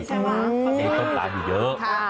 เออเด้นข้ามตามอยู่เยอะ